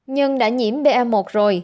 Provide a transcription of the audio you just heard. nhưng đã nhiễm ba một rồi